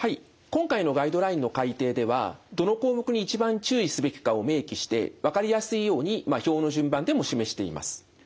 今回のガイドラインの改訂ではどの項目に一番注意すべきかを明記して分かりやすいように表の順番でも示しています。